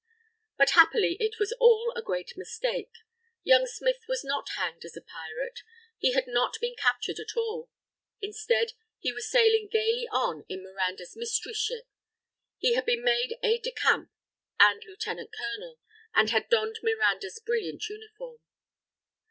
But happily it was all a great mistake. Young Smith was not hanged as a pirate. He had not been captured at all. Instead, he was sailing gayly on in Miranda's Mystery Ship. He had been made aid de camp and lieutenant colonel, and had donned Miranda's brilliant uniform.